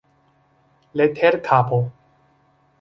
Leterkapo.